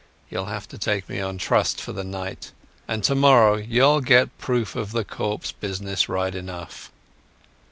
You'll have to take me on trust for the night, and tomorrow you'll get proof of the corpse business right enough."